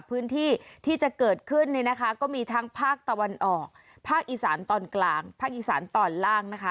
พื้นที่ที่จะเกิดขึ้นเนี่ยนะคะก็มีทั้งภาคตะวันออกภาคอีสานตอนกลาง